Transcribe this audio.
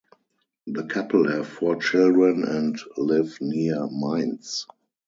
The couple have four children and live near Mainz.